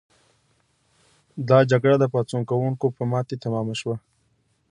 دا جګړه د پاڅون کوونکو په ماتې تمامه شوه.